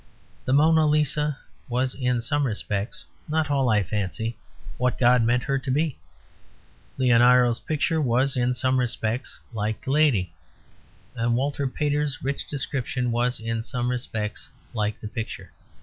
The "Mona Lisa" was in some respects (not all, I fancy) what God meant her to be. Leonardo's picture was, in some respects, like the lady. And Walter Pater's rich description was, in some respects, like the picture.